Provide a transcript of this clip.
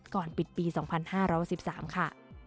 ก่อนปิดปี๒๕๖๓ค่ะ